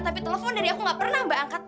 tapi telepon dari aku gak pernah mbak angkat